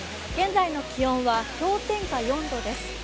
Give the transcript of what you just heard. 現在の気温は氷点下４度です。